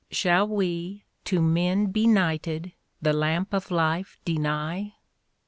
...' Shall we, to men benighted, the lamp of life deny'?"